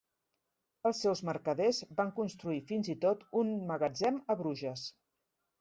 Els seus mercaders van construir fins i tot un magatzem a Bruges.